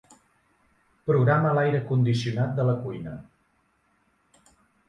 Programa l'aire condicionat de la cuina.